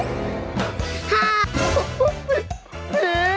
ดี